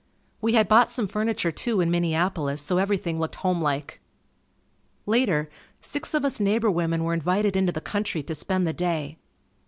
We had bought some furniture too in Minneapolis so everything looked homelike. Later, six of us neighbor women were invited into the country to spend the day.